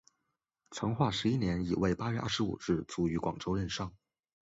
成化十一年乙未八月二十五日卒于广州任上。